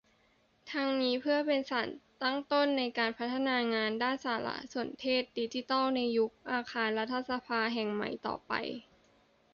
ทั้งนี้เพื่อเป็นสารตั้งต้น ในการพัฒนางานด้านสารสนเทศดิจิทัล ในยุคของอาคารรัฐสภาแห่งใหม่ต่อไป